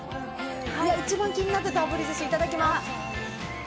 一番気になってたあぶりずし、いただきます。